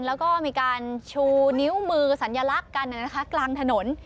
แล้วก็มีการชูนิ้วมือสัญลักษณ์กันกลางถนน